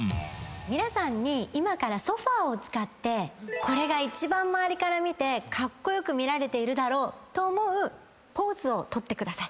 皆さんに今からソファを使ってこれが一番周りから見てかっこよく見られているだろうと思うポーズを取ってください。